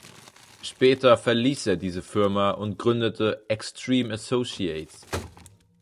Später verließ er diese Firma und gründete "Extreme Associates".